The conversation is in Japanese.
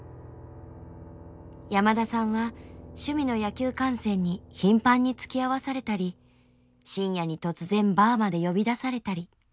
山田さんは趣味の野球観戦に頻繁につきあわされたり深夜に突然バーまで呼び出されたり。